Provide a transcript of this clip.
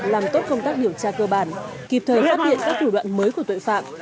làm tốt công tác điều tra cơ bản kịp thời phát hiện các thủ đoạn mới của tội phạm